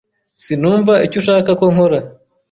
Sinumva icyo ashaka ko nkora.